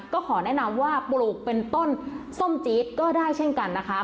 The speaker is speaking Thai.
ก็ขอแนะนำว่าปลูกเป็นต้นส้มจี๊ดก็ได้เช่นกันนะคะ